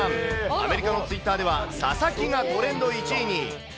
アメリカのツイッターでは、佐々木がトレンド１位に。